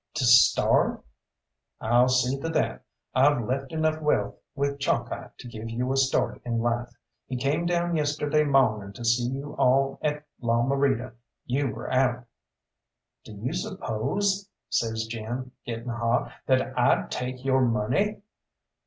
"To starve!" "I'll see to that. I've left enough wealth with Chalkeye to give you a start in life. He came down yesterday mawning to see you all at La Morita you were out." "Do you suppose," says Jim, getting hot, "that I'd take your money?"